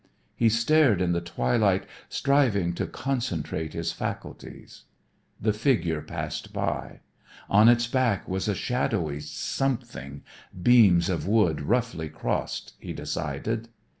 He stared in the twilight striving to concentrate his faculties. The figure passed by. On its back was a shadowy something beams of wood roughly crossed, he decided.